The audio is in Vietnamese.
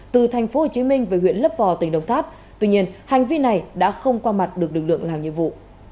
từ tp hcm về huyện lấp vò tỉnh đồng tháp tuy nhiên hành vi này đã không qua mặt được lực lượng làm nhiệm vụ